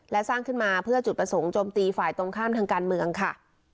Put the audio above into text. และสร้างขึ้นมาเพื่อจุดประสงค์โจมตีฝ่ายตรงข้ามทางการเมืองค่ะ